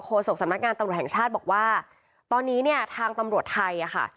โศกสำนักงานตำรวจแห่งชาติบอกว่าตอนนี้เนี่ยทางตำรวจไทยอ่ะค่ะ